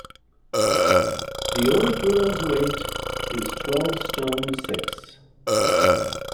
The old girl's weight — is twelve stone six.